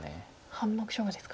半目勝負ですか。